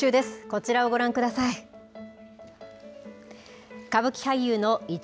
こちらをご覧ください。